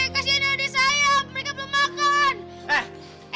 kasihan adik saya mereka belum makan